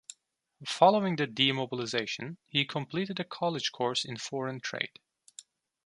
Following the demobilisation he completed a college course in foreign trade.